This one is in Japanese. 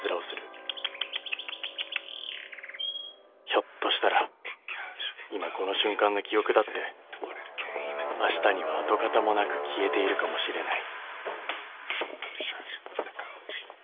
［ひょっとしたら今この瞬間の記憶だってあしたには跡形もなく消えているかもしれない］